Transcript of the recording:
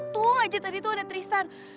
tua aja tadi tuh ada tristan